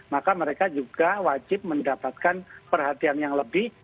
maka mereka juga wajib mendapatkan perhatian yang lebih